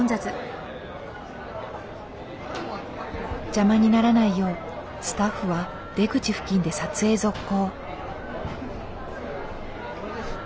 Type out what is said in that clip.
邪魔にならないようスタッフは出口付近で撮影続行。